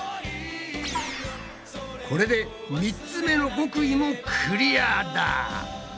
これで３つ目の極意もクリアだ！